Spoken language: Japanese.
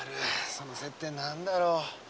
その接点なんだろう？